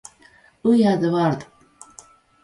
We are the world